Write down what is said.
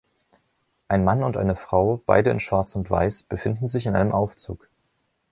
Ein Mann und eine Frau, beide in Schwarz und Weiß, befinden sich in einem Aufzug.